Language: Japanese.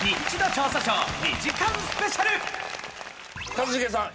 一茂さん